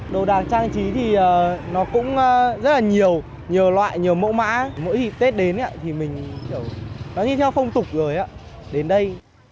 đồ đạc trang trí thì nó cũng rất là nhiều nhiều loại nhiều mẫu mã mỗi dịp tết đến thì mình nó đi theo phong tục rồi đến đây